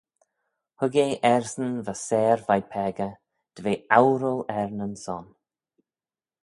Hug eh ersyn va seyr veih peccah, dy ve oural er nyn son.